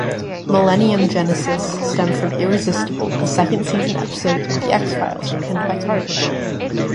"Millennium" genesis stemmed from "Irresistible", a second-season episode of "The X-Files" penned by Carter.